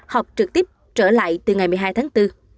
họp trực tiếp trở lại từ ngày một mươi hai tháng bốn